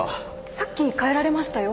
さっき帰られましたよ